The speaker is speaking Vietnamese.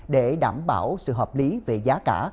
để đảm bảo sự hợp lý về giá cả